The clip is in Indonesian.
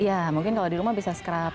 ya mungkin kalau di rumah bisa scrub